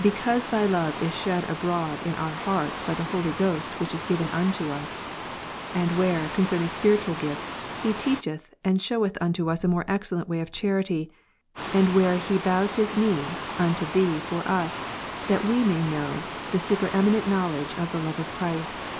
Because Thy love is shed abroad in our hearts by the Holy Ghost ivhich is 12, 1.31. given unto us: and where concerning spiritual gifts, heteach Eph. 3, eth and sheweth unto us a more excellent way of charity; and 14—19. ■where he boivs his knee, unto Thee for us, that we may know the superemi^ient knowledge of the love of Christ.